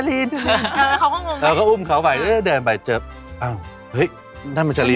มีบางมุมเราก็แบบว่าเอ้ยไม่มั่นใจ